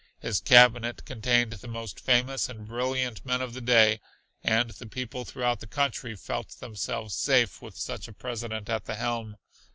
His Cabinet contained the most famous and brilliant men of the day, and the people throughout the country felt themselves safe with such a president at the helm.